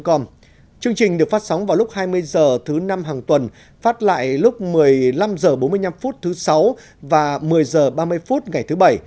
chương trình được phát sóng vào lúc hai mươi h thứ năm hàng tuần phát lại lúc một mươi năm h bốn mươi năm thứ sáu và một mươi h ba mươi phút ngày thứ bảy